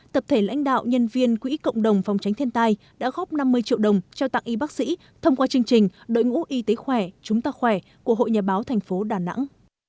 tập thể lãnh đạo nhân viên quỹ cộng đồng phòng tránh thiên tai đã góp năm mươi triệu đồng trao tặng y bác sĩ thông qua chương trình đội ngũ y tế khỏe chúng ta khỏe của hội nhà báo tp đà nẵng